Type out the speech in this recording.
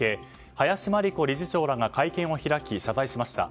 林真理子理事長らが会見を開き謝罪しました。